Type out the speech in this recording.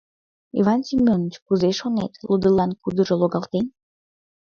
Йыван Семоныч, кузе шонет: лудылан кудыжо логалтен?